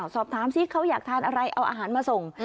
สอบถามซิเขาอยากทานอะไรเอาอาหารมาส่ง